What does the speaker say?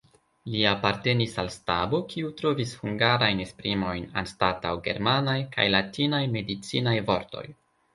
Li apartenis al stabo, kiu trovis hungarajn esprimojn anstataŭ germanaj kaj latinaj medicinaj vortoj.